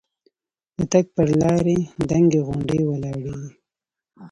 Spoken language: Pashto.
د تګ پر لارې دنګې غونډۍ ولاړې دي.